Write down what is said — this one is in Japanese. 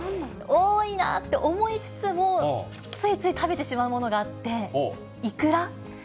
多いなって思いつつも、ついつい食べてしまうものがあって、イクラ。